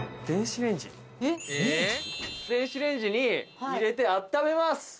電子レンジに入れて温めます。